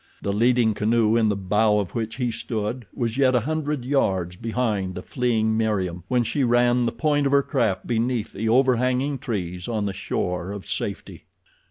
The leading canoe, in the bow of which he stood, was yet a hundred yards behind the fleeing Meriem when she ran the point of her craft beneath the overhanging trees on the shore of safety.